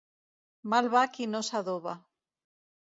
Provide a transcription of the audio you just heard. Mal va qui no s'adoba.